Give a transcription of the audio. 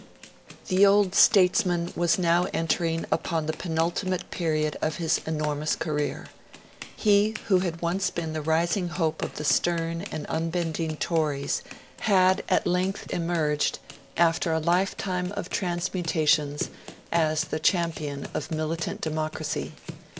The old statesman was now entering upon the penultimate period of his enormous career. He who had once been the rising hope of the stern and unbending Tories, had at length emerged, after a lifetime of transmutations, as the champion of militant democracy.